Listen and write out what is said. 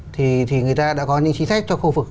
thì người ta đã có những chính sách cho khu vực